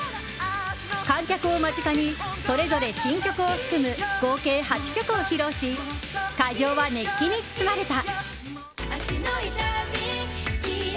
観客を間近にそれぞれ新曲を含む合計８曲を披露し会場は熱気に包まれた。